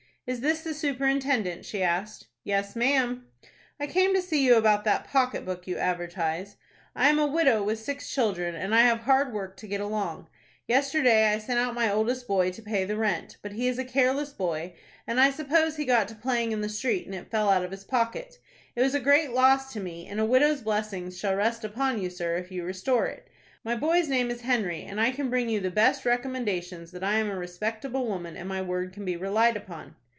"Is this the superintendent?" she asked. "Yes, ma'am." "I came to see you about that pocket book you advertise. I am a widow with six children, and I have hard work to get along. Yesterday I sent out my oldest boy to pay the rent; but he is a careless boy, and I suppose he got to playing in the street, and it fell out of his pocket. It was a great loss to me, and a widow's blessings shall rest upon you, sir, if you restore it. My boy's name is Henry, and I can bring you the best recommendations that I am a respectable woman, and my word can be relied upon."